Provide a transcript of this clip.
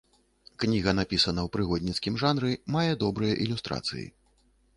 Кніга напісана ў прыгодніцкім жанры, мае добрыя ілюстрацыі.